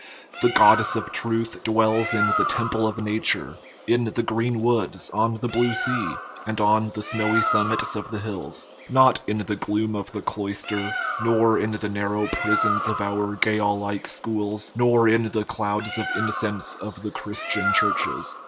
The god dess of truth dwells in the temple of nature, in the green woods, on the blue sea, and on the snowy summits of the hills not in the gloom of the cloister, nor in the nar now prisons of our jail like schools, nor in the clouds of incense of the Christian churches.